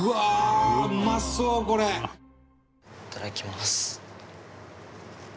いただきます。